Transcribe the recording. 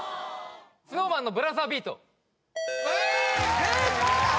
ＳｎｏｗＭａｎの「ブラザービート」正解！